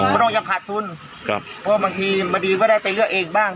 มันต้องยังขาดทุนครับเพราะบางทีบางทีก็ได้ไปเลือกเองบ้าง